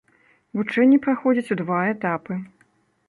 Вучэнні праходзяць у два этапы.